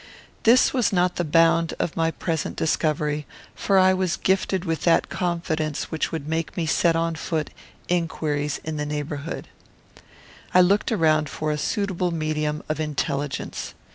This was not the bound of my present discovery, for I was gifted with that confidence which would make me set on foot inquiries in the neighbourhood. I looked around for a suitable medium of intelligence.